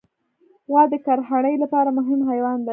غوا د کرهڼې لپاره مهم حیوان دی.